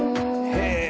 へえ！